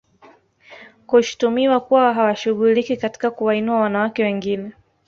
Kushtumiwa kuwa hawashughuliki katika kuwainua wanawake wengine